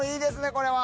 これは。